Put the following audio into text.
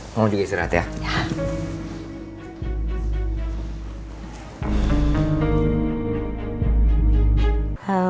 mau juga istirahat ya